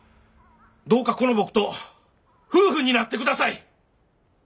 どうかこの僕と夫婦になってください！